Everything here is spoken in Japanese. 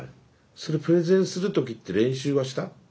それプレゼンする時って練習はした？